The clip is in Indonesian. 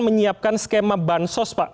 menyiapkan skema bansos pak